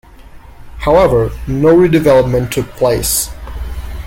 However no redevelopment took place.